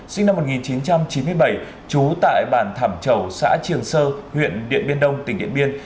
sinh năm một nghìn chín trăm chín mươi bảy trú tại bản thảm chầu xã triềng sơ huyện điện biên đông tỉnh điện biên